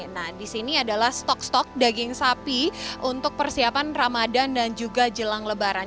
nah di sini adalah stok stok daging sapi untuk persiapan ramadan dan juga jelang lebaran